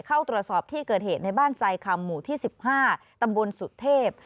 เข้าตรวจสอบที่เกิดเหตุในบ้านทรายคำหมู่ที่๑๕ตำบลสุเทพ